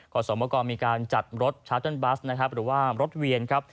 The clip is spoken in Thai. สมกรมีการจัดรถชาร์เติ้ลบัสนะครับหรือว่ารถเวียนครับ